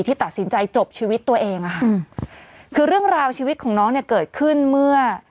ที่ตัดสินใจจบชีวิตตัวเองอะค่ะคือเรื่องราวชีวิตของน้องเนี่ยเกิดขึ้นเมื่อ